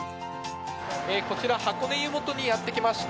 こちら、箱根湯本にやって来ました。